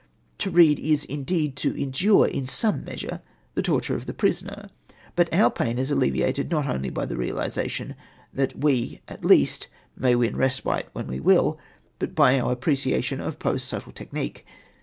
To read is, indeed, to endure in some measure the torture of the prisoner; but our pain is alleviated not only by the realisation that we at least may win respite when we will, but by our appreciation of Poe's subtle technique.